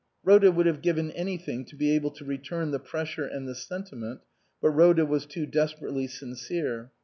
Rhoda would have given anything to be able to return the pressure and the senti ment, but Rhoda was too desperately sincere.